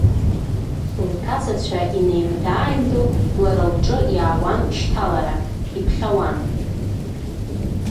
Лҭацацәа инеимда-ааимдо лара лҿы иаауан шьҭалара, иԥхьауан.